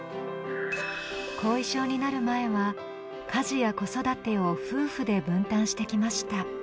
後遺症になる前は家事や子育てを夫婦で分担してきました。